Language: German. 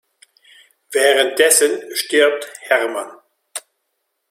Während dessen stirbt Hermann.